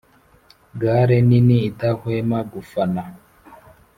gales nini idahwema gufana,